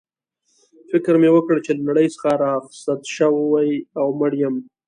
فکر مې وکړ چي له نړۍ څخه رخصت شوی او مړ یم.